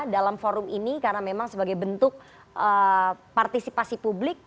dalam forum ini karena memang sebagai bentuk partisipasi publik